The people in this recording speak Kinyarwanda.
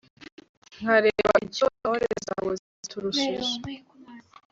nkareba icyo intore zawe zaturushije